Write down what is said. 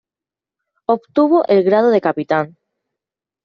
Obtuvo el grado de Capitán.